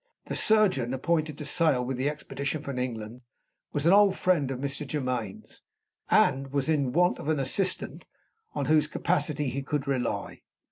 The surgeon appointed to sail with the expedition from England was an old friend of Mr. Germaine's, and was in want of an assistant on whose capacity he could rely.